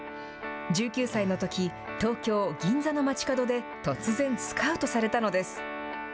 １９歳のとき、東京・銀座の街角で、突然スカウトされたのです。